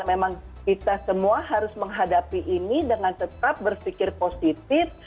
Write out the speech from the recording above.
memang kita semua harus menghadapi ini dengan tetap berpikir positif